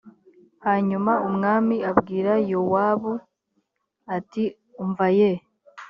hanyuma umwami abwira yowabu ati umva ye